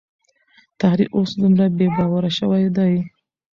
تاريخ اوس دومره بې باوره شوی دی.